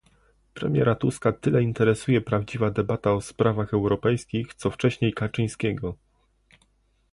Premiera Tuska tyle interesuje prawdziwa debata o sprawach europejskich co wcześniej Kaczyńskiego